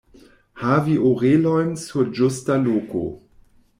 Havi orelojn sur ĝusta loko.